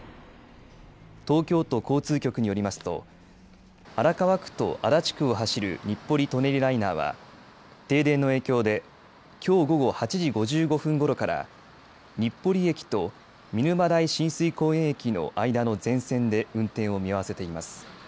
東京都交通局によりますと荒川区と足立区を走る日暮里・舎人ライナーは停電の影響できょう午後８時５５分ごろから日暮里駅と見沼代親水公園駅の間の全線で運転を見合わせています。